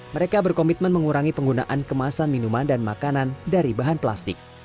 mereka berkomitmen mengurangi penggunaan kemasan minuman dan makanan dari bahan plastik